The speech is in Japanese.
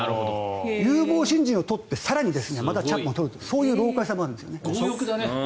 有望新人を取って、更にまたチャップマンを取るというそういう老獪さもあるんですね。